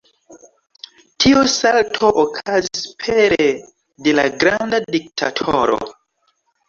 Tiu salto okazis pere de "La granda diktatoro".